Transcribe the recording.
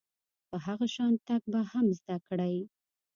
په هغه شان تګ به هم زده کړئ .